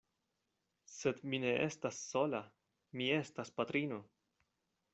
Sed mi ne estas sola, mi estas patrino!